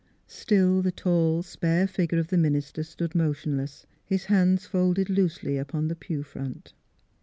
Still the tall spare figure of the minister stood motionless, his hands folded loosely upon the pew front.